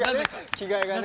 着替えがね。